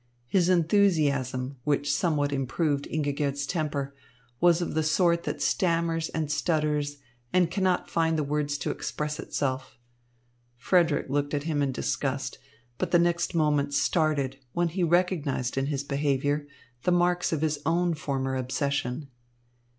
His enthusiasm, which somewhat improved Ingigerd's temper, was of the sort that stammers and stutters and cannot find the words to express itself. Frederick looked at him in disgust, but the next moment started when he recognised in his behaviour the marks of his own former obsession.